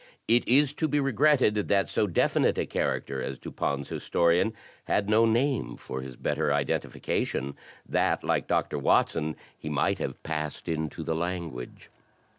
It is to be regretted that so definite a character as Dupin's historian had no name for his better identification, that like Doctor Watson he might have "passed into the language."